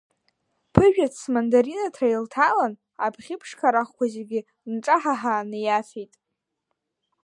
Ԥыжәац смандаринаҭра илҭалан, абӷьы ԥшқарахқәа зегьы нҿаҳаҳааны иафеит.